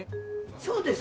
そうです